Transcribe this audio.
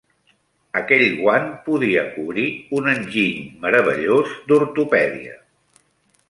Aquell guant podia cobrir un enginy meravellós d'ortopèdia.